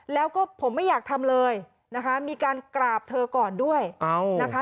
แล้วก็ผมไม่อยากทำเลยนะคะมีการกราบเธอก่อนด้วยนะคะ